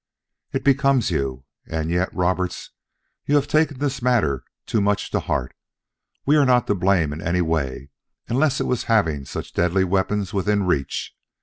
"It becomes you, and yet Roberts, you have taken this matter too much to heart. We were not to blame in any way, unless it was in having such deadly weapons within reach.